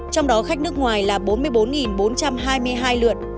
trong đó khách nước ngoài là bốn mươi bốn bốn trăm hai mươi hai lượt